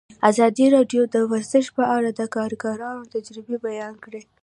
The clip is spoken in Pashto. ازادي راډیو د ورزش په اړه د کارګرانو تجربې بیان کړي.